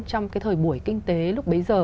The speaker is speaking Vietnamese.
trong cái thời buổi kinh tế lúc bấy giờ